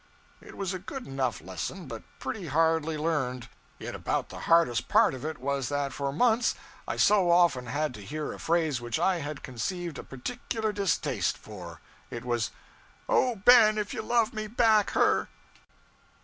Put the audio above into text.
It was a good enough lesson, but pretty hardly learned. Yet about the hardest part of it was that for months I so often had to hear a phrase which I had conceived a particular distaste for. It was, 'Oh, Ben, if you love me, back her!'